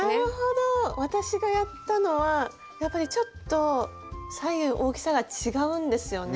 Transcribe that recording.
私がやったのはやっぱりちょっと左右大きさが違うんですよね。